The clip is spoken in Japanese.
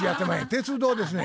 鉄道ですね。